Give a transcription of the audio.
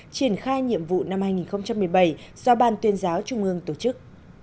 triển khai nhiệm vụ năm hai nghìn một mươi bảy do ban tuyên giáo trung ương tổ chức